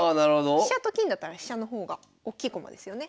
飛車と金だったら飛車の方が大きい駒ですよね。